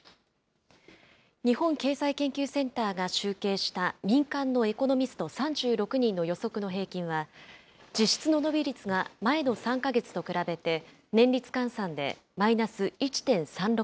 日本経済研究センターが集計した民間のエコノミスト３６人の予測の平均は、実質の伸び率が前の３か月と比べて、年率換算でマイナス１．３６％。